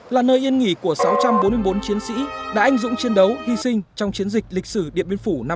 là nơi yên nghỉ của sáu trăm bốn mươi bốn chiến sĩ đã anh dũng chiến đấu hy sinh trong chiến dịch lịch sử điện biên phủ năm một nghìn chín trăm năm mươi bốn